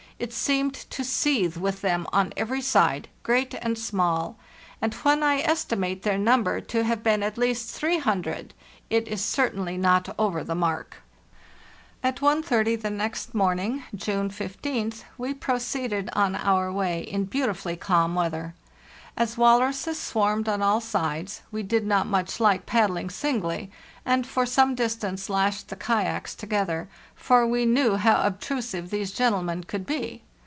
It seemed to seethe with them on every side, great and small; and when I estimate their number to have been at least 300, it is certainly not over the mark. At 1.30 the next morning (Monday, June 15th) we proceeded on our way in beautifully calm weather. As walruses swarmed on all sides, we did not much like paddling singly, and for some distance lashed the kayaks together; for we knew how obtrusive these gentlemen could be.